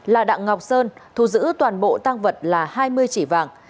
là đặng ngọc sơn thu giữ toàn bộ tăng vật là hai mươi chỉ vàng